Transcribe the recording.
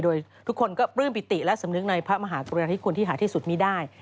โดยทุกคนก็ปลื้มปิติและสำนึกในพระมหากรุณาธิคุณที่หาที่สุดมีได้